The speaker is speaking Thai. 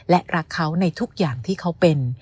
และรักเขาในทุกอย่างที่เขาเป็น